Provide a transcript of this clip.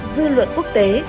dư luận quốc tế